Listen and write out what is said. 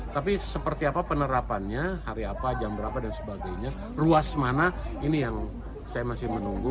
tapi seperti apa penerapannya hari apa jam berapa dan sebagainya ruas mana ini yang saya masih menunggu